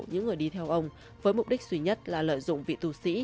những người đi theo ông với mục đích suy nhất là lợi dụng vị tu sĩ